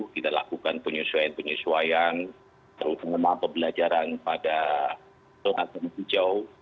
kita lakukan penyesuaian penyesuaian terutama pembelajaran pada tuan atin bijau